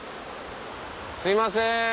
すいません！